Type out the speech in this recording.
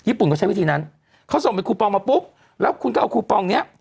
ญุ่นก็ใช้วิธีนั้นเขาส่งเป็นคูปองมาปุ๊บแล้วคุณก็เอาคูปองเนี้ย